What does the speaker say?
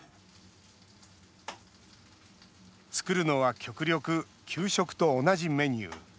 作るのは極力給食と同じメニュー。